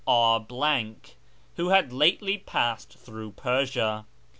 R , who had lately passed through Persia.